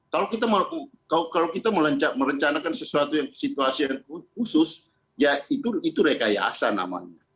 kalau kita merencanakan sesuatu yang situasi yang khusus ya itu rekayasa namanya